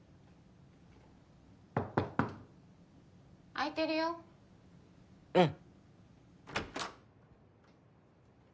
・開いてるよ・うん。